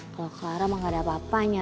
kalau clara mah gak ada apa apanya